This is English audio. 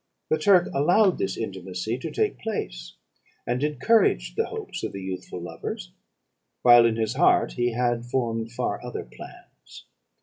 "The Turk allowed this intimacy to take place, and encouraged the hopes of the youthful lovers, while in his heart he had formed far other plans.